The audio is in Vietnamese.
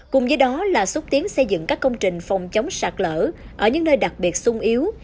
cùng với đó là xúc tiến xây dựng các công trình phòng chống sạt lỡ ở những nơi đặc biệt sung yếu